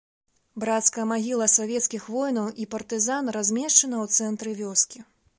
Брацкая магіла савецкіх воінаў і партызан размешчана ў цэнтры вёскі.